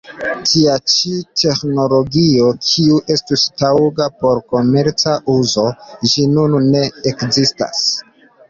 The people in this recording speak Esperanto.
Tia ĉi teĥnologio, kiu estus taŭga por komerca uzo, ĝis nun ne ekzistas.